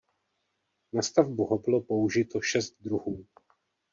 Na stavbu ho bylo použito šest druhů.